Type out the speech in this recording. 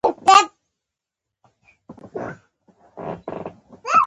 نورګل کاکا هلکانو ته وويل